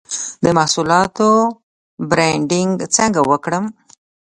د محصولاتو برنډینګ څنګه وکړم؟